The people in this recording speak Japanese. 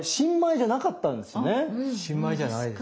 新米じゃないです。